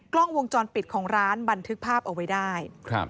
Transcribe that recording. กล้องวงจรปิดของร้านบันทึกภาพเอาไว้ได้